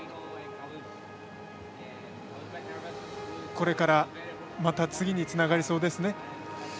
これから、また次につながりそうですね。